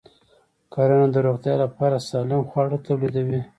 کرنه د روغتیا لپاره سالم خواړه تولیدوي.